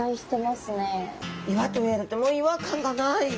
岩と言われても違和感がない。